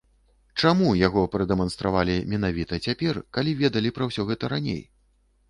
Чаму яго прадэманстравалі менавіта цяпер, калі ведалі пра ўсё гэта раней?